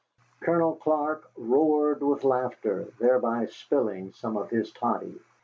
Colonel Clark roared with laughter, thereby spilling some of his toddy.